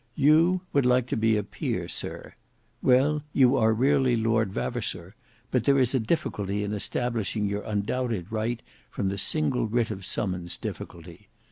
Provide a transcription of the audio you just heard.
You would like to be a peer, sir. Well, you are really Lord Vavasour, but there is a difficulty in establishing your undoubted right from the single writ of summons difficulty.